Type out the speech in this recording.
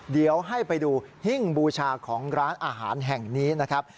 เดี๋ยวให้ไปดูหิ้งบูชาของร้านอาหารแห่งนี้นะครับ